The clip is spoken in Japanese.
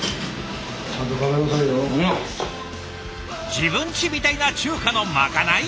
自分ちみたいな中華のまかない？